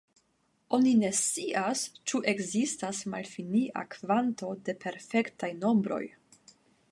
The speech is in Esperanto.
Oni ne scias, ĉu ekzistas malfinia kvanto de perfektaj nombroj.